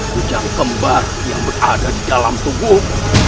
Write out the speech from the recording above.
kujang kembar yang berada di dalam tubuh